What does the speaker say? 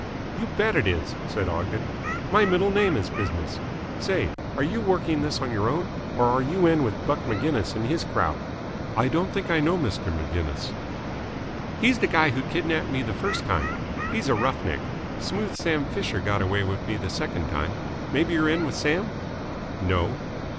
"You bet it is," said Ogden. "My middle name is business. Say, are you working this on your own, or are you in with Buck Maginnis and his crowd?" "I don't think I know Mr. Maginnis." "He's the guy who kidnapped me the first time. He's a rough neck. Smooth Sam Fisher got away with me the second time. Maybe you're in with Sam?" "No."